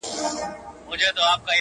امیرحمزه بابا روح دي ښاد وي،